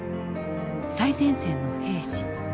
最前線の兵士。